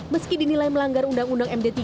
meski dinilai melanggar undang undang md tiga